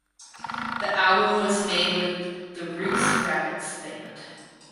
The album was made with the Roots Radics band.